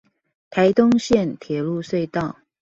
台東線鐵路隧道